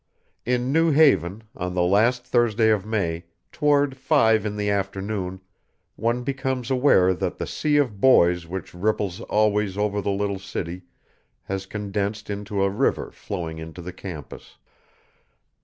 In New Haven, on the last Thursday of May, toward five in the afternoon, one becomes aware that the sea of boys which ripples always over the little city has condensed into a river flowing into the campus.